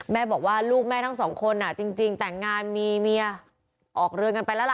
แม่บอกว่าลูกแม่ทั้งสองคนจริงแต่งงานมีเมียออกเรือนกันไปแล้วล่ะ